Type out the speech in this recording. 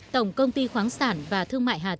tổng công ty khoáng sản và thương mại hạ tỉnh